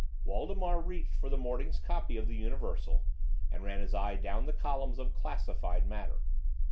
Waldemar reached for the morning's copy of the Universal and ran his eye down the columns of "classified" matter.